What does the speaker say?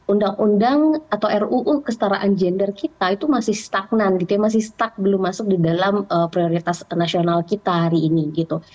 undang undang atau ruu kestaraan gender kita itu masih stagnan gitu ya masih stuck belum masuk di dalam prioritas nasional kita hari ini gitu